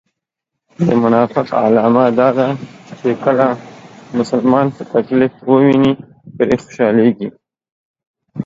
د منافق علامه دا ده چې کله مسلمان په تکليف و ويني پرې خوشحاليږي